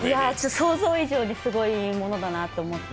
想像以上にすごいものだなと思って。